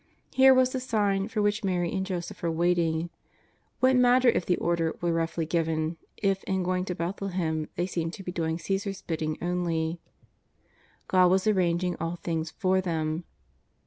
Here was the sign for which ^lary and Joseph were waiting. What matter if the order were roughly given, if in going to Bethlehem they seemed to be doing JESUS OF NAZAKETH. 63 Caesar's bidding only; God was arranging all things for them.